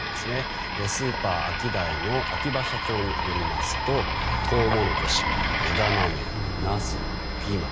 スーパーアキダイの秋葉社長によりますとトウモロコシや枝豆ナスにピーマン。